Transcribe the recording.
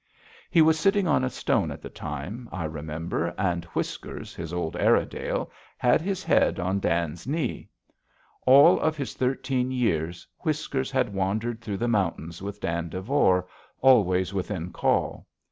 He was sitting on a stone at the time, I remember, and Whiskers, his old Airedale, had his head on Dan's knee. All of his thirteen years, Whiskers had wandered through the mountains with Dan Devore, always within call.